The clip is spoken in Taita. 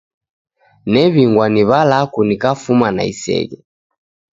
New'ingwa ni w'alaku nikafuma na iseghe